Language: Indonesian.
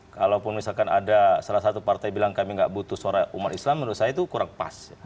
kalaupun misalkan ada salah satu partai bilang kami nggak butuh suara umat islam menurut saya itu kurang pas